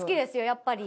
やっぱり。